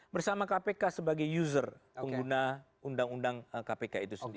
bersama kpk sebagai user pengguna undang undang kpk itu sendiri